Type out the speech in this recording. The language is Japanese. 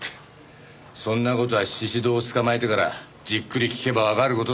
そんな事は宍戸を捕まえてからじっくり聞けばわかる事だ。